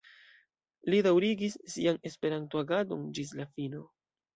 Li daŭrigis sian Esperanto-agadon ĝis la fino.